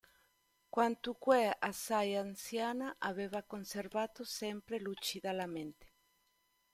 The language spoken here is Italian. Quantunque assai anziana, aveva conservato sempre lucida la mente.